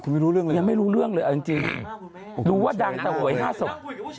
ยังไม่รู้เรื่องเลยรู้ว่าดังแต่โหยห้าสบ